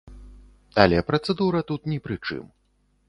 Але працэдура тут ні пры чым.